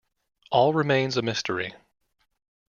All remains a mystery.